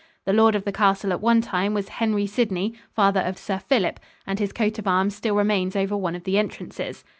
The Lord of the castle at one time was Henry Sidney, father of Sir Philip, and his coat of arms still remains over one of the entrances.